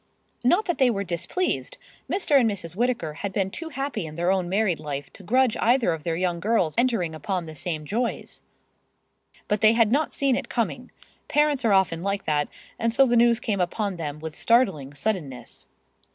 Not that they were displeased! Mr. and Mrs. Whittaker had been too happy in their own married life to grudge either of their girls entering upon the same joys. But they had not seen it coming. Parents are often like that, and so the news came upon them with startling suddenness.